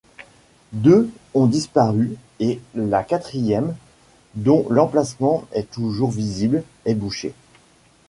Deux ont disparu et la quatrième, dont l'emplacement est toujours visible, est bouchée.